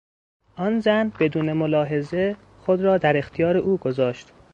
آن زن بدون ملاحظه خود را در اختیار او گذاشت.